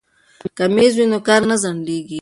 که میز وي نو کار نه ځنډیږي.